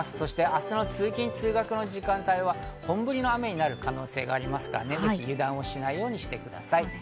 明日の通勤・通学の時間帯は本降りの雨になる可能性がありますから油断しないようにしてください。